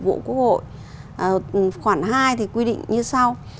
vụ quốc hội khoảng hai thì quy định như sau